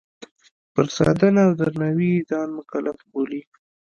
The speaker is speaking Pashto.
پر ساتنه او درناوي یې ځان مکلف بولي.